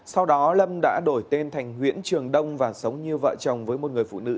sau đó lâm đã đổi tên thành nguyễn trường đông và sống như vợ chồng với một người phụ nữ